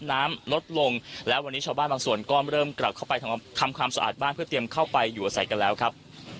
น้ำลดลงและวันนี้ชาวบ้านบางส่วนก็เริ่มกลับเข้าไปทำความสะอาดบ้านเพื่อเตรียมเข้าไปอยู่อาศัยกันแล้วครับ